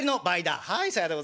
「はいさようでございますね。